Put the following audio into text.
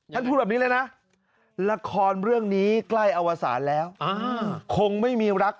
พูดแบบนี้เลยนะละครเรื่องนี้ใกล้อวสารแล้วคงไม่มีรัก